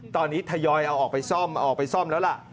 ตอนนี้ทยอยเอาออกไปซ่อมออกไปซ่อมแล้วล่ะ